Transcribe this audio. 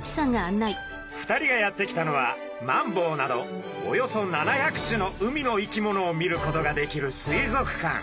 ２人がやって来たのはマンボウなどおよそ７００種の海の生き物を見ることができる水族館。